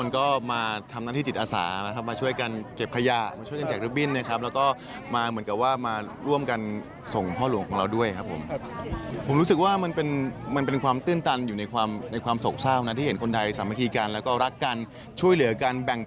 ก็สำหรับพานะนะครับ